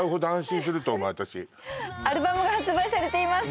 私アルバムが発売されています